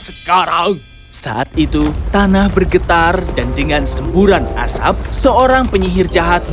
sekarang saat itu tanah bergetar dan dengan semburan asap seorang penyihir jahat